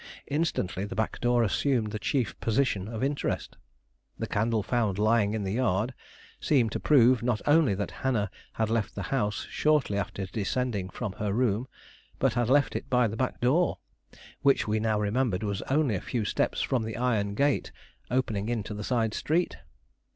Instantly the back door assumed the chief position of interest. The candle found lying in the yard seemed to prove, not only that Hannah had left the house shortly after descending from her room, but had left it by the back door, which we now remembered was only a few steps from the iron gate opening into the side street.